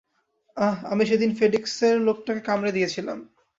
আহ, আমি সেদিন ফেডেক্স এর লোকটাকে কামড়ে দিয়েছিলাম।